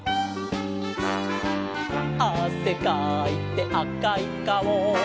「あせかいてあかいかお」